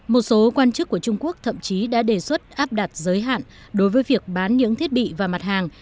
một số quan chức của trung quốc thậm chí đã đề xuất áp đặt giới hạn đối với việc bán những thiết bị và mặt hàng